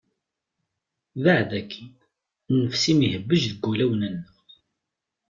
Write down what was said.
Baɛed akin! Nnefs-im ihebbej deg wulawen-nneɣ.